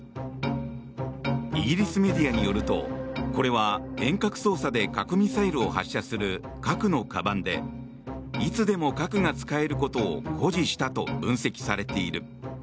イギリスメディアによるとこれは、遠隔操作で核ミサイルを発射する核のかばんでいつでも核が使えることを誇示したと分析されている。